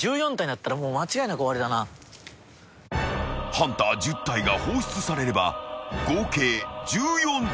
［ハンター１０体が放出されれば合計１４体］